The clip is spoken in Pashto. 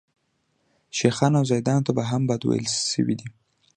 شیخانو او زاهدانو ته هم بد ویل شوي دي.